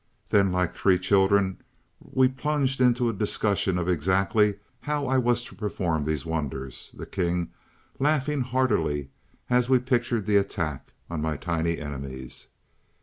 "Then like three children we plunged into a discussion of exactly how I was to perform these wonders, the king laughing heartily as we pictured the attack on my tiny enemies.